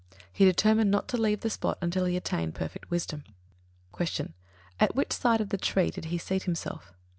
He determined not to leave the spot until he attained perfect wisdom. 62. Q. _At which side of the tree did he seat himself?